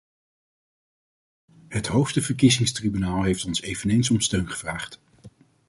Het hoogste verkiezingstribunaal heeft ons eveneens om steun gevraagd.